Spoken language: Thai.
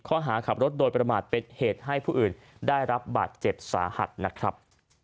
ข้อหาขับรถโดยประมาทเป็นเหตุให้ผู้อื่นได้รับบาดเจ็บสาหัสนะครับ